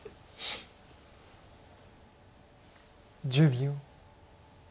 １０秒。